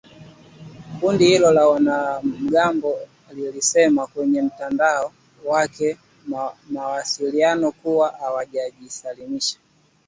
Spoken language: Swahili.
Kundi hilo la wanamgambo lilisema kwenye mtandao wake wa mawasiliano kuwa hawatojisalimisha.